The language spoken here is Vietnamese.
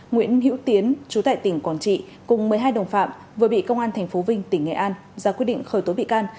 nguyễn hiễu tiến chú tại tỉnh quảng trị cùng một mươi hai đồng phạm vừa bị công an tp vinh tỉnh nghệ an ra quyết định khởi tố bị can